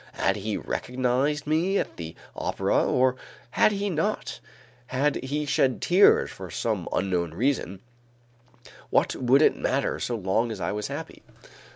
Had he recognized me at the opera or had he not, had he shed tears for some unknown reason, what would it matter so long as I was happy?